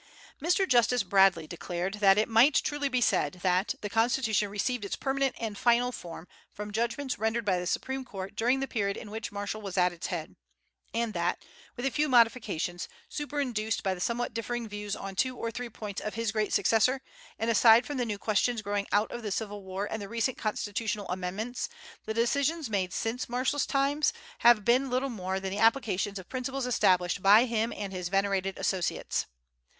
Mr. Justice Bradley declared that it might truly be said that "the Constitution received its permanent and final form from judgments rendered by the Supreme Court during the period in which Marshall was at its head;" and that, "with a few modifications, superinduced by the somewhat differing views on two or three points of his great successor, and aside from the new questions growing out of the Civil War and the recent constitutional amendments, the decisions made since Marshall's time have been little more than the applications of principles established by him and his venerated associates."